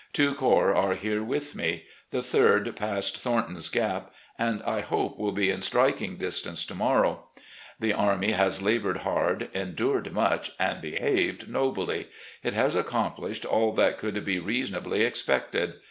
Two corps are here with me. The third passed Thom THE ARMY OF NORTHERN VIRGINIA 109 ton's Gap, and I hope will be in striking distance to morrow. The army has laboured hard, endured much, and behaved nobly. It has accomplished aU that could be reasonably expected.